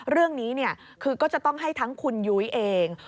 เรื่องนี้คือก็จะต้องให้ทั้งคุณยุ้ยเอง